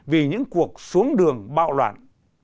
vì những cuộc xuống đường bạo loạn